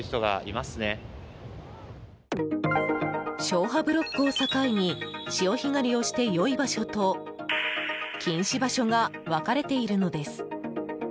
消波ブロックを境に潮干狩りをして良い場所と禁止場所が分かれているのです。